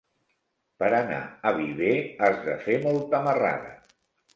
Per anar a Viver has de fer molta marrada.